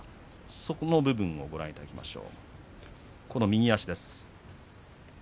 その部分をご覧いただきましょう。